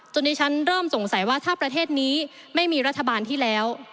ดิฉันเริ่มสงสัยว่าถ้าประเทศนี้ไม่มีรัฐบาลที่แล้ว